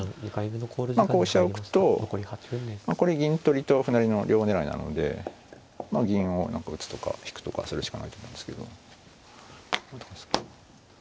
まあこう飛車を浮くとこれ銀取りと歩成りの両狙いなので銀を打つとか引くとかするしかないと思うんですけど。